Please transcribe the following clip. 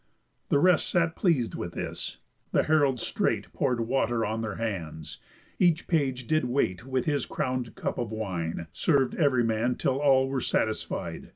The rest sat pleas'd with this. The heralds straight Pour'd water on their hands; each page did wait With his crown'd cup of wine, serv'd ev'ry man Till all were satisfied.